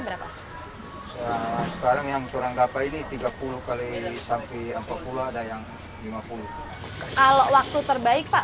berapa sekarang yang kurang dapat ini tiga puluh kali sampai empat puluh ada yang lima puluh kalau waktu terbaik pak